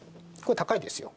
高いですよ。